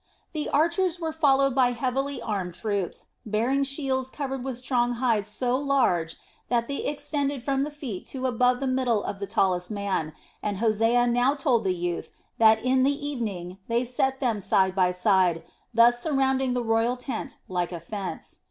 The archers were followed by heavily armed troops, bearing shields covered with strong hide so large that they extended from the feet to above the middle of the tallest men, and Hosea now told the youth that in the evening they set them side by side, thus surrounding the royal tent like a fence.